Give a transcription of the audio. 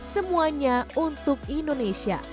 semuanya untuk indonesia